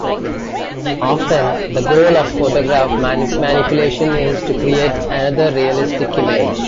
Often, the goal of photograph manipulation is to create another 'realistic' image.